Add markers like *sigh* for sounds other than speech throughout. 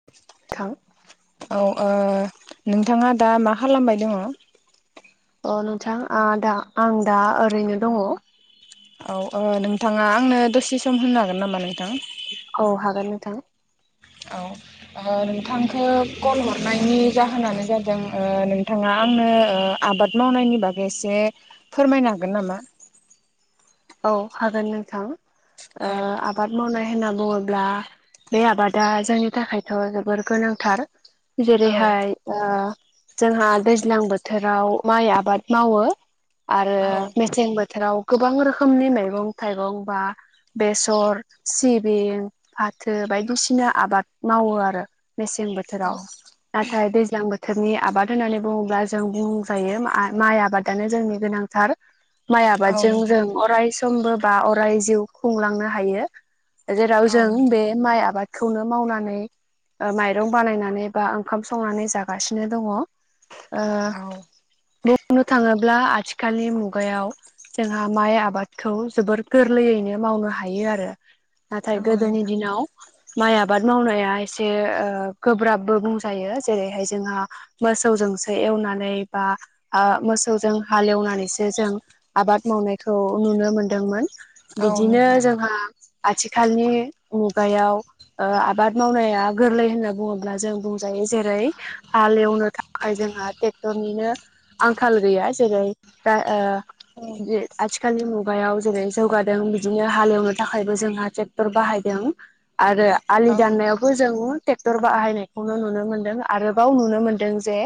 *unintelligible* थां औ ओ नोंथाङा दा मा खालामबाय दङ? अ नोंथां आ दा आं दा ओरैनो दङ। औ नोंथाङा आंनो दसे सम होनो हागोन नामा नोंथां? औ हागोन नोंथां। औ ओ नोंथांखौ कल हरनायनि जाहोनानो जादों ओ नोंथाङा आंनो आबाद मावनायनि बागै एसे फोरमायनो हागोन नामा? औ हागोन नोंथां ओ औ आ आबाद मावनाय होनना बुङोब्ला बे आबादा जोंनि थाखायथ' जोबोर गोनांथार। औ जेरैहाय ओ जोंहा दैज्लां बोथोराव माइ आबाद मावो। आरो औ मेसें बोथोराव गोबां रोखोमनि मैगं थाइगं बा बेसर सिबिं फाथो बायदिसिना आबाद मावो आरो। मेसें औ बोथोराव नाथाय दैज्लां बोथोरनि आबाद होननानै बुङोब्ला जों जों बुंजायो माइ आबादानो जोंनि गोनांथार माइ औ आबादजों नोंथां जों अराय समबो बा अराय जिउ खुंलांनो हायो जेराव औ जों नोंथां बे माइ आबाद खौनो मावनानै माइरं बानायनानै बा ओंखाम संनानै जागासिनो दङ। औ बुंनो थाङोब्ला आथिखालनि मुगायाव जोंहा माइ आबाद बादखौ जोबोर गोरलैयैनो मावनो हायो आरो औ नाथाय गोदोनि नोंथां दिनाव माइ आबाद मावनाया एसे गोब्राबबो बुंजायो जेरैहाय जोंहा मोसौजोंसो एवनानै बा मोसौजों हालेवनानै सो जों आबाद मावनायखौ नुनो मोनदोंमोन औ नोंथां औ बिदिनो नोंथां औ जोंहा आथिखालनि मुगायाव ओ आबाद मावनाया गोरलै होनना बुङोब्ला जों बुंजायो जेरै हाल एवनो थाखाय जोंहा ट्रेक्टरनिनो आंखाल गैया जेरै दा जे आथि खालनि मुगायाव जेरै जौगादों बिदिनो हालेवनो थाखायबो जोंहा ट्रेक्टर बाहायदों। आरो आलि दाननायाव बो जोङो टेक्टर बाहायनायखौनो नुनो मोन्दों आरोबाव नुनो मोनदों जे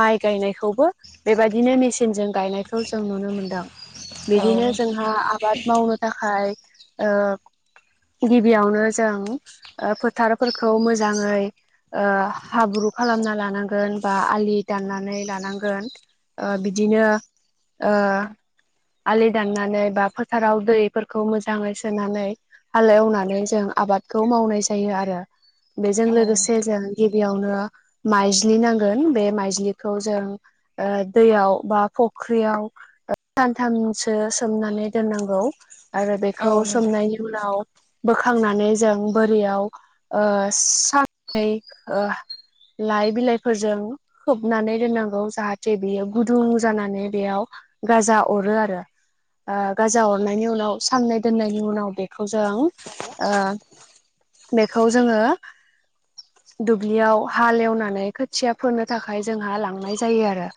माइ गायनायखौबो बेबायदिनो मेचिनजों गायनायखौ जों नुनो मोनदों। बिदिनो नोंथां जोंहा आबाद मावनो थाखाय औ गिबियावनो जों ओ फोथारफोरखौ मोजाङै ओ हाब्रु खालामना लानांगोन बा आलि दाननानै लानांगोन। ओ बिदिनो ओ आलि दाननानै बा फोथाराव दैफोरखौ मोजाङै सोनानै हाल एवनानै जों आबादखौ मावनाय जायो आरो। बेजों औ लोगोसे जों गिबियावनो माइज्लि नांगोन बे माइज्लिखौ जों ओ दैयाव बा फुख्रियाव थामसो सोमनानै दोननांगौ आरो औ बेखौ नोंथां औ नोंथां सोमनायनि उनाव बोखांनानै जों बोरियाव ओ साननै ओ लाइ बिलाइफोरजों खोबनानै दोननांगौ जाहाथे बियो गुदुं जानानै बेयाव गाजा अरो आरो। ओ गाजा हरनायनि उनाव साननै दोननायनि उनाव बेखौ जों ओ बेखौ जोङो दुब्लियाव हालेवनानै खोथिया फोनो थाखाय जोंहा लांनाय जायो आरो।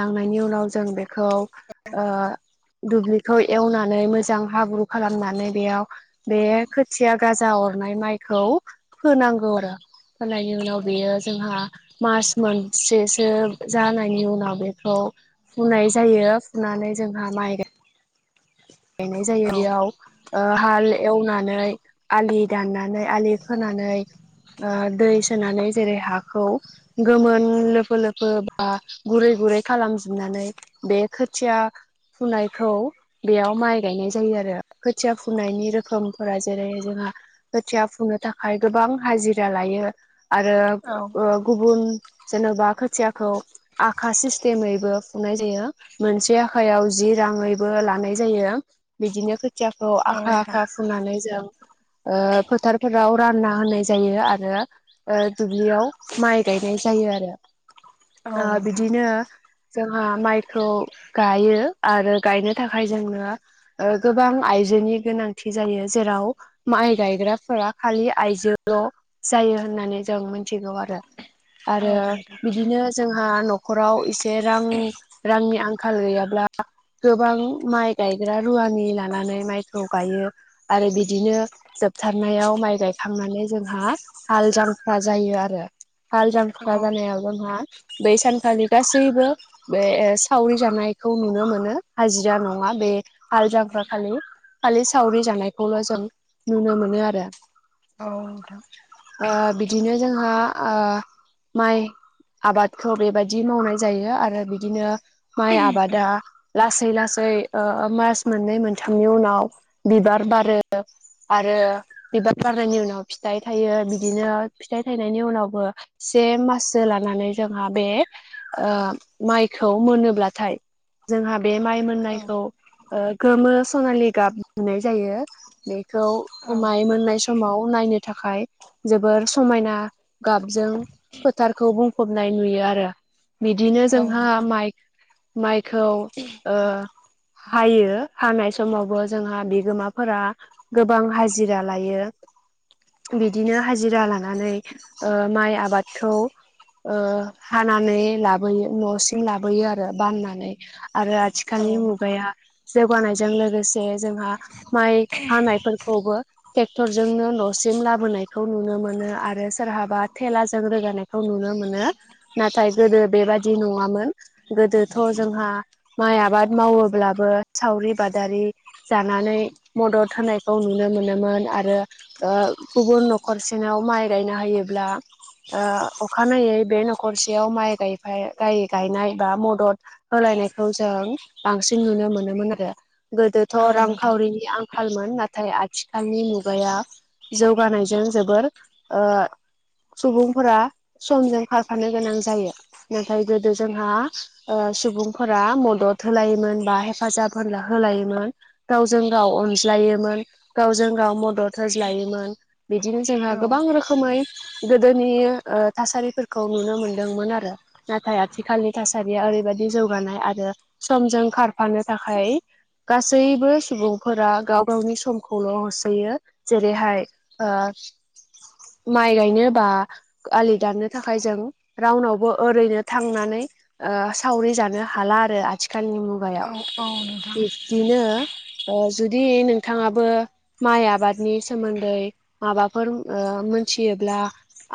लांनायनि उनाव जों बेखौ ओ दुब्लिखौ एवनानै मोजां हाब्रु खालामनानै बेयाव बे खोथिया गाजा अरनाय माइखौ फोनांगौ आरो। होनायनि उनाव बेयो जोंहा मास मोनसेसो जानायनि उनाव बेखौ फुनाय जायो। फुनानै जोंहा माइ गाय गायनाय जायो बेयाव ओ हाल एवनानै आलि दाननानै आलि फोनानै ओ दै सोनानै जेरै हाखौ गोमोन लोफो लोफो बा गुरै गुरै खालामजोबनानै बे खोथिया फुनायखौ बेयाव माइ गायनाय जायो आरो खोथिया फुनायनि रोखोमफोरा जेरै जोंहा खोथिया फुंनो थाखाय गोबां हाजिरा लायो आरो औ ओ गुबुन जेनेबा खोथियाखौ आखा सिस्टेमैबो फुनाय जायो मोनसे आखायाव जि राङैबो लानाय जायो बिदिनो खोथियाखौ आखा नोंथां आखा फुननानै जों फोथारफोराव रानना होनाय जायो आरो ओ दुब्लियाव माइ गायनाय जायो आरो ओ बिदिनो जोंहा माइखौ गायो आरो गायनो थाखाय जोङो ओ गोबां आइजोनि गोनांथि जायो जेराव माइ गायग्राफोरा खालि आयजोल'। जायो होननानै जों मिथिगौ आरो आरो बिदिनो जोंहा न'खराव एसे रां रांनि आंखाल गैयाब्ला गोबां माइ गायग्रा रुवानि लानानै माइखौ गायो आरो बिदिनो जोबथारनायाव माइ गायखांनानै जोंहा हाल जांफ्रा जायो आरो। हाल जांख्रा औ जानायाव जोंहा बै सानखालि गासैबो बे सावरि जानायखौ नुनो मोनो हाजिरा नङा बे हाल जांफ्रा खालि। खालि सावरि जानायखौल' जों नुनो मोनो आरो। औ नोंथां ओ बिदिनो जोंहा ओ माइ आबादखौ बेबायदि मावनाय जायो आरो बिदिनो माय आबादा लासै लास जासै ओ मास मोननै मोनथामनि उनाव बिबार बारो आरो बिबार बारनायनि उनाव फिथाइ थायो बिदिनो फिथाइ थायनायनि उनावबो, से माससो लानानै जोंहा बे ओ माइखौ मोनोब्लाथाय, जोंहा बे माइ औ मोननायखौ गोमो सनालि गाब नुनाय जायो। बेखौ औ माय मोननाय समाव नायनो थाखाय। जोबोर समायना गाबजों फोथारखौ बुंफबनाय नुयो आरो बिदिनो औ जोंहा नोंथां माइ माइखौ ओ हायो हानाय समावबो जोंहा बिगोमाफोरा, गोबां हाजिरा लायो। बिदिनो हाजिरा लानानै ओ माइ आबादखौ। ओ हानानै लाबोयो न'सिम लाबोयो आरो बाननानै आरो आथि औ आथिखालनि नोंथां मुगाया जौगानायजों लोगोसे जोंहा माइ हानायफोरखौबो। ट्रेक्टर जोंनो न'सिम लाबोनायखौ नुनो मोनो आरो सोरहाबा थेलाजों रोगानाय खौ नुनो मोनो नाथाय गोदो बेबादि औ नङामोन गोदोथ' जोंहा माइ आबाद मावो अब्लाबो सावरि बादारि, जानानै मदद होनायखौ नुनो मोनोमोन आरो ओ गुबुन न'खरसेनाव माइ गायना होयोब्ला। ओ अखानायै बे न'खरसेयाव माइ गाय गायनाय बा मदद। होलायनायखौ जों बांसिन नुनो मोनोमोन आरो गोदोथ' औ नोंथां रांखावरिनि आं आंखालमोन नाथाय आथिखालनि मुगाया जौगानायजों जोबोर ओ सुबुंफोरा समजों खारफानो गोनां जायो। नोथायजो जोंहा ओ सुबुंफोरा मदद होलायोमोन। मा हेफाजाब होनला होलायोमोन। गावजों गाव अनज्लायोमोन गावजों गाव मदद होज्लायोमोन। बिदिनो जोंहा औ गोबां रोखोमै। गोदोनि ओ थासारिफोरखौ नुनो मोनदोंमोन आरो नाथाय आथिखालनि थासारिया ओरैबायदि जौगानाय आरो समजों खारफानो थाखाय गासैबो सुबुंफोरा गाव गावनि समखौल' होसोयो जेरैहाय ओ माइ गायनो बा आलि दाननो थाखाय जों रावनावबो ओरैनो थांनानै, ओ सावरि जानो हाला आरो आथिखालनि मुगायाव औ नोंथां बिब्दिनो। ओ जुदि नोंथाङाबो माइ आबादनि सोमोन्दै माबाफोर, ओ मोनथियोब्ला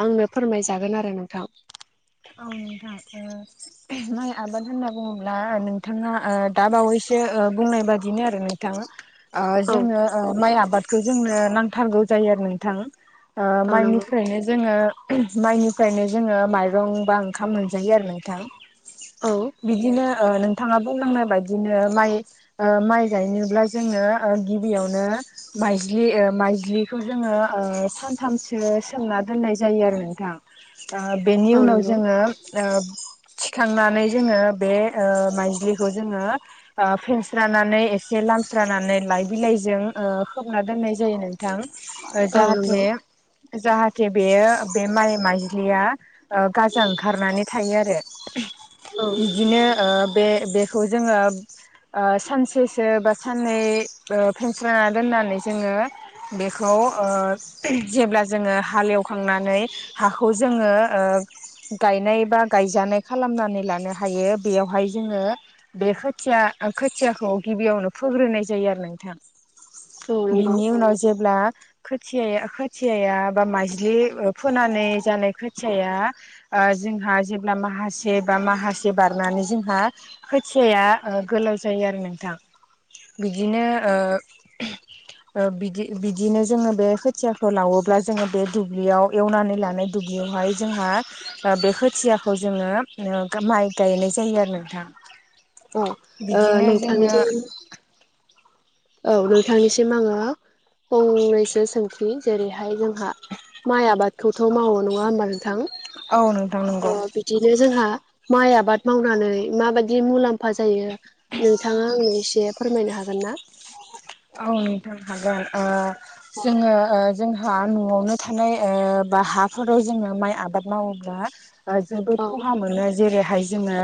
आंनो फोरमायजागोन आरो नोंथां आं *unintelligible* माइ आबाद होनना बुङोब्ला नोंथाङा ओ दा बावैसो ओ बुंनाय बादिनो आरो नोंथाङा आ औ जोंनो ओ माइ आबादखौ जोंनो नांथारगौ जायो आरो नोंथां, ओ औ नंगौ माइनिफ्रायनो जोङो माइनिफ्रायनो जोङो माइरं बा ओंखाम मोनजायो आरो नोंथां औ बिदिनो, ओ नोंथाङा बुंलांनाय बायदिनो माइ, ओ माइ जायनोब्ला जोङो गिबियावनो, माइज्लि ओ माइज्लिखौ जोंङो ओ सानथामसो सोमना दोननाय जायो आरो नोंथां। ओ बेनि औ उनाव नंगौ जोंङो ओ थिखांनानै जोङो बे ओ माइज्लिखौ जोङो। ओ फेनस्रानानै एसे लामस्रानानै लाइ बिलाइजों खोबना दोननाय जायो नों नोंथां औ नंगौ जाहाथे जाहाथे बेयो बे माइ माइलिया। गाजा ओंखारनानै थायो आरो औ बिदिनो ओ बे बे, खौ जोङो। ओ सानसेसो बा साननै ओ फेेनस्लाना दोननानै जोङो। बेखौ ओ जेब्ला जोङो हालेवखांनानै हाखौ जोङो ओ गायनाय बा गायजानाय खालामनानै लानो हायो बेयावहाय जोङो बे खोथिया खोथियाखौ गिबियावनो फोग्रोनाय जायो आरो नोंथां औ नंगौ बिनि उनाव जेब्ला खोथियाय खोथियाया बा मज्लि फोनानै जानाय खोथियाया ओ जोंहा जेब्ला माहासे बा माहासे बारनानै जोंहा खोथियाया गोलाव जायो आरो नोंथां बिदिनो ओ ओ बिदि बिदिनो जोङो बे खोथियाखौ लावोब्ला जोङो बे दुब्लियाव एवनानै लानाय दुब्लियावहाय जोंहा ओ बे खोथियाखौ जोङो ओ माइ गायनाय जायो आरो नोंथां अ ओ बिदिनो नोंथांनि जोङो *unintelligible* औ नोंथांनिसिम आङो फंनैसो सोंथि जेरैहाय जोंहा माइ आबादखौथ' मावो नङा होमबा नोंथां औ नोंथां नोंगौ ओ बिदिनो जोंहा माइ आबाद मावनानै माबायदि मुलाम्फा जायो नोंथांङा आंनो एसे फोरमायनो हागोन ना औ नोंथां हागोन ओ औ जोंङो ओ जोंहा न'आवनो थानाय ओ बा हाफोराव जोंङो माइ आबाद मावोब्ला ओ जोबोद खहा मोनो जेरैहाय जोंङो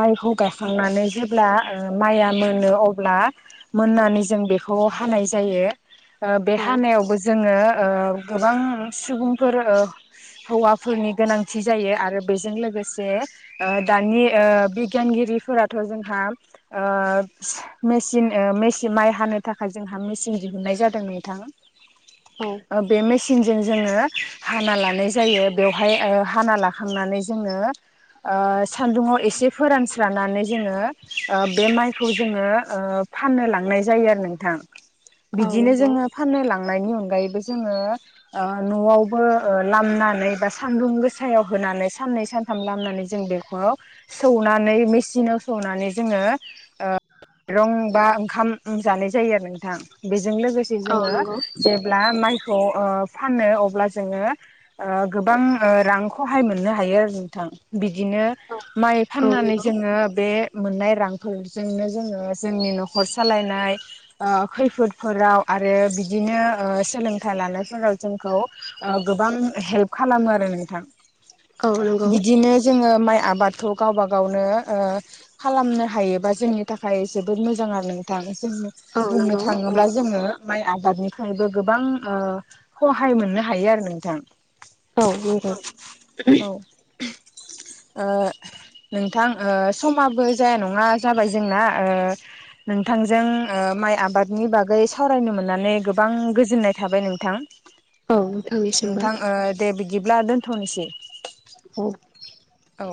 माइखौ गायाखांनानै जेब्ला ओ माइया मोनो अब्ला मोननानै जों बेखौ हानाय जायो ओ बे औ हानायावबो जो जोंङो ओ गोबां सुबुंफोर ओ हौवाफोरनि गोनांथि जायो आरो बेजों लोगोसे ओ दानि ओ बिगियानगिरिफोराथ' जोंहा ओ मेसिन मेसि माइ हानो थाख खाय जोंहा मेसिन दिहुनन्नाय जादों नोंथां औ बे मेसिनजों जोंङो हाना लानाय जायो बेवहाय ओ हाना लाखांनानै जोंङो ओ सान्दुंङाव एसे फोरानस्रानानै जोंङो ओ बे माइखौ जोंङो ओ फाननो लांनाय जायो आरो नोंथां औ बिदिनो नंगौ जोंङो फाननो लांनायनि अनगायैबो जोंङो ओ न'आवबो ओ लामनानै बा सानदुं गोसायाव होनानै साननै सान थाम लामनानै जों बेखौ सौनानै मेसिनाव सौनानै जोंङो ओ रं बा ओंखाम जानाय जायो आरो नोंथां बेजों लोगोसे औ जोंङो नंगौ जे ब्ला माइखौ ओ फानो अब्ला जोंङो ओ गोबां रां खहाय मोननो हायो आरो नोंथां बिदिनो माइ औ फाननानै नंगौ जोंङो बे मोननाय रांफोरजोंनो जोंङो जोंनि न'खर सालायनाय ओ खैफोदफोराव आरो बिदिनो ओ सोलोंथाइ लानायफोराव जोंखौ ओ गोबां हेल्प खालामो आरो नोंथां औ नंगौ बिदिनो जोंङो माइ आबादखौ गावबा गावनो ओ खालामनो हायोबा जोंनि थाखाय जोबोद मोजां आरो नोंथां जोंनो औ बुंनो नंगौ औ नंगौ थाङोब्ला जोङो माइ आबादनिफ्रायबो गोबां हहाय मोननो हायो आरो नोंथां औ ओ नोंथां ओ समाबो जाया नंङा जाबाय जोंना ओ नोंथांजों ओ माइ आबादनि बागै सावरायनो मोननानै गोबां गोजोननाय थाबाय नोंथां औ नोंथांनिसिमबो नोंथां ओ दे बिदिब्ला दोनथ'नोसै *unintelligible* औ